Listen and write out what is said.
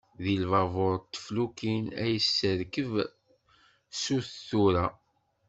Di lbabur d teflukin, ad yesserkeb sut tura.